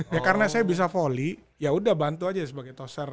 ya karena saya bisa volley ya udah bantu aja sebagai toser